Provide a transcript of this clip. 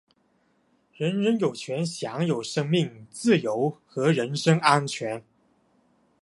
人人有权享有生命、自由和人身安全。